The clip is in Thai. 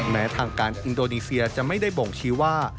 แม้ทางการอินโดนีเซียจะไม่ได้บ่งชี้ว่า